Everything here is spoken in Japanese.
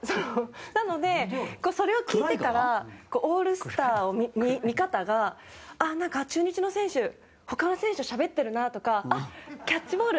なので、それを聞いてからオールスターの見方がなんか、中日の選手他の選手としゃべってるなとかキャッチボール